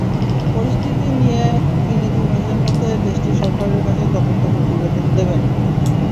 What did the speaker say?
পরিস্থিতি নিয়ে তিনি দুই মাসের মধ্যে দেশটির সরকারের কাছে তদন্ত প্রতিবেদন দেবেন।